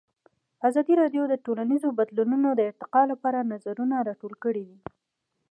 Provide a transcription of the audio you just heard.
ازادي راډیو د ټولنیز بدلون د ارتقا لپاره نظرونه راټول کړي.